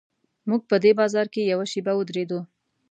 موږ په دې بازار کې یوه شېبه ودرېدو.